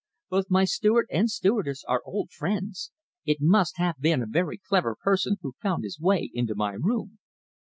Both my steward and stewardess are old friends. It must have been a very clever person who found his way into my room."